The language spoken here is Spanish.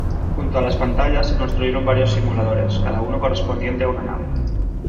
Junto a las pantallas, se construyeron varios simuladores, cada uno correspondiente a una nave.